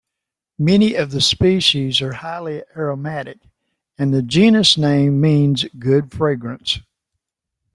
Many of the species are highly aromatic, and the genus name means "good fragrance".